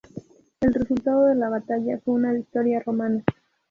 El resultado de la batalla fue una victoria romana.